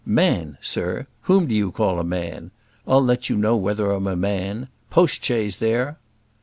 "Man! sir; whom do you call a man? I'll let you know whether I'm a man post chaise there!"